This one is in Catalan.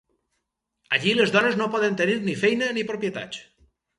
Allí les dones no poden tenir ni feina ni propietats.